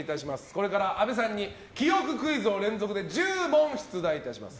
これから阿部さんに記憶クイズを連続で１０問出題いたします。